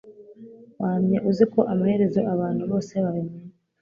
Wamye uzi ko amaherezo abantu bose babimenya